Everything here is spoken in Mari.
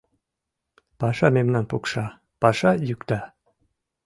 Паша мемнам пукша, паша йӱкта